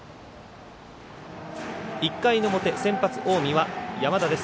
１回の表、先発、近江は山田です。